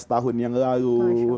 lima belas tahun yang lalu